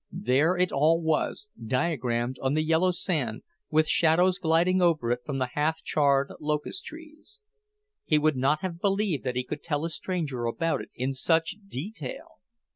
There it all was, diagrammed on the yellow sand, with shadows gliding over it from the half charred locust trees. He would not have believed that he could tell a stranger about it in such detail.